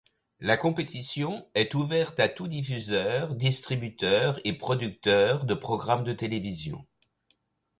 La compétition est ouverte à tous diffuseurs, distributeurs et producteurs de programmes de télévision.